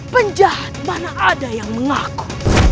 penjahat mana ada yang mengaku